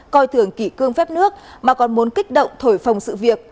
coi thường kỷ cương phép nước mà còn muốn kích động thổi phòng sự việc